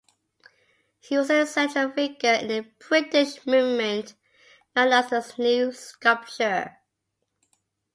He was a central figure in the British movement known as the New Sculpture.